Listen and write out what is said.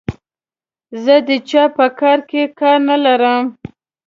زه د چا په کار کې کار نه لرم.